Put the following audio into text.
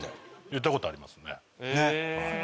言ったことありますね。